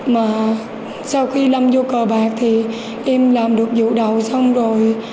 mà sau khi lâm vô cờ bạc thì em làm được vụ đầu xong rồi